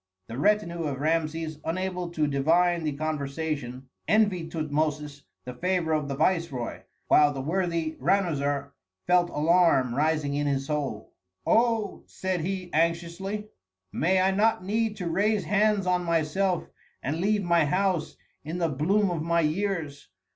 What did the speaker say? The retinue of Rameses, unable to divine the conversation, envied Tutmosis the favor of the viceroy, while the worthy Ranuzer felt alarm rising in his soul. "Oh," said he, anxiously, "may I not need to raise hands on myself and leave my house in the bloom of my years!